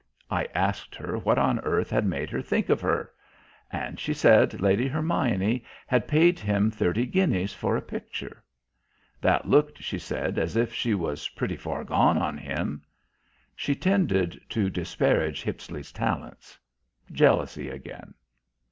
I asked her what on earth had made her think of her? And she said Lady Hermione had paid him thirty guineas for a picture. That looked, she said, as if she was pretty far gone on him. (She tended to disparage Hippisley's talents. Jealousy again.)